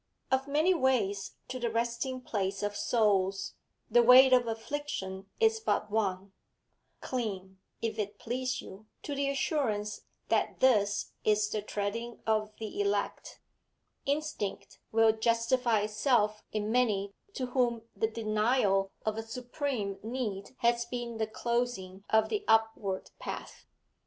Of many ways to the resting place of souls, the way of affliction is but one; cling, if it please you, to the assurance that this is the treading of the elect, instinct will justify itself in many to whom the denial of a supreme need has been the closing of the upward path.